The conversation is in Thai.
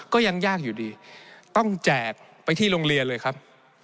ก็ยังยากอยู่ดีต้องแจกไปที่โรงเรียนเลยครับ